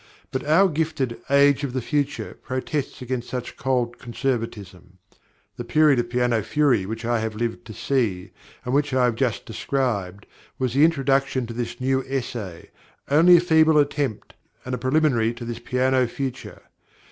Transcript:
But our gifted "age of the future" protests against such cold conservatism. The period of piano fury which I have lived to see, and which I have just described, was the introduction to this new essay, only a feeble attempt, and a preliminary to this piano future.